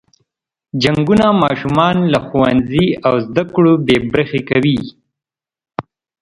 جنګونه ماشومان له ښوونځي او زده کړو بې برخې کوي.